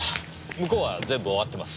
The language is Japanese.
向こうは全部終わってます。